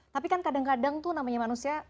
tapi kan kadang kadang tuh namanya manusia